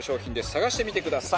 探してみてください。